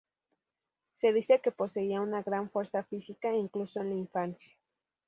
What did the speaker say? Se dice que poseía una gran fuerza física, incluso en la infancia.